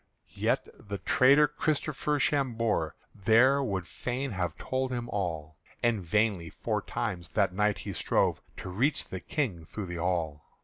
Yet the traitor Christopher Chaumber there Would fain have told him all, And vainly four times that night he strove To reach the King through the hall.